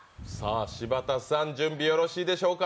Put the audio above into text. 柴田さん、準備はよろしいですか？